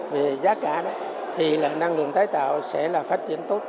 về giá cả đó thì năng lượng tái tạo sẽ phát triển tốt